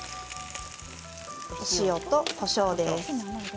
お塩とこしょうです。